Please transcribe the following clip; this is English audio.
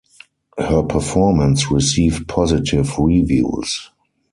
Her performance received positive reviews.